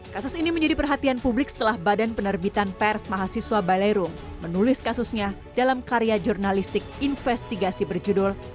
kasus ini menjadi perhatian publik setelah badan penerbitan pers mahasiswa balero menulis kasusnya dalam karya jurnalistik investigasi berjudul